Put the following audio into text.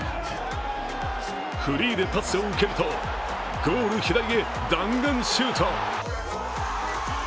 フリーでパスを受けると、ゴール左へ弾丸シュート。